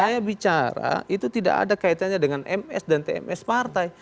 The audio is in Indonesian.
karena bicara itu tidak ada kaitannya dengan ms dan tms partai